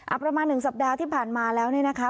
อาประมาณ๑สัปดาห์ที่ผ่านมาแล้วนะครับ